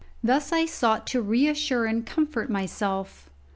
Thus I sought to reassure and comfort myself.